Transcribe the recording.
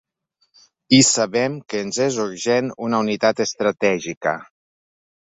I sabem que ens és urgent una unitat estratègica.